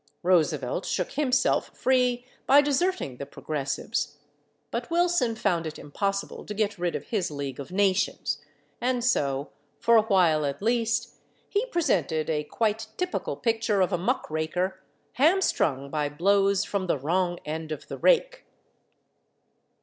Roosevelt shook himself free by deserting the Progressives, but Wilson found it impossible to get rid of his League of Nations, and so, for awhile at least, he presented a quite typical picture of a muck raker hamstrung by blows from the wrong end of the rake.